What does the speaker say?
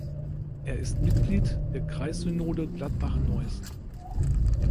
Er ist Mitglied der Kreissynode Gladbach-Neuss.